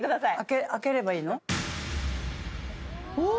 開ければいいの？